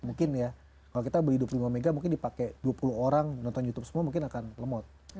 mungkin ya kalau kita beli dua puluh lima m mungkin dipakai dua puluh orang nonton youtube semua mungkin akan lemot